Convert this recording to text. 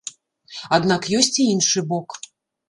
Аднак ёсць і іншы бок.